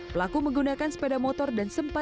pelaku menggunakan sepeda motor dan sepeda motor